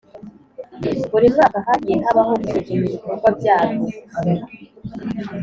Buri mwaka hagiye habaho gusuzuma ibikorwa byabo